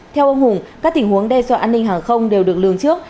theo ông hùng các tình huống đe dọa an ninh hàng không đều được lường trước